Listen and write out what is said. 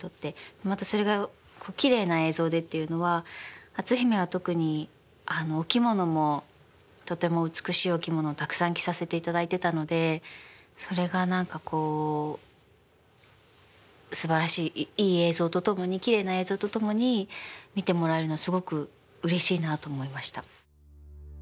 またそれがきれいな映像でっていうのは「篤姫」は特にお着物もとても美しいお着物をたくさん着させていただいてたのでそれが何かこうすばらしいいい映像と共にきれいな映像と共に見てもらえるのはすごくうれしいなと思いました。